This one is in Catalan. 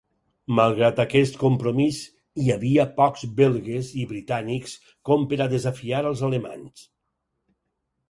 Malgrat aquest compromís, hi havia pocs belgues i britànics com per a desafiar als alemanys.